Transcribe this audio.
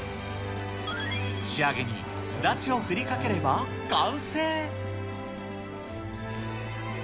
仕上げに、すだちを振りかければ完成。